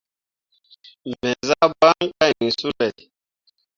Me zah baŋ kah yĩĩ sulay.